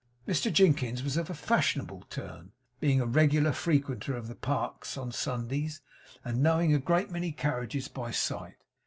Mr Jinkins was of a fashionable turn; being a regular frequenter of the Parks on Sundays, and knowing a great many carriages by sight.